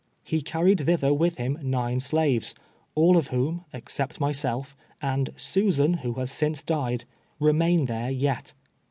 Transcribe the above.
lie carried thither with him nine slaves, all of whom, except myself, and Susan, who has since died, remain there yet.